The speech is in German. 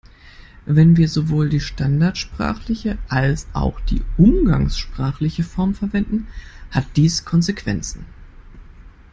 Wenn wir sowohl die standardsprachliche als auch die umgangssprachliche Form verwenden, hat dies Konsequenzen.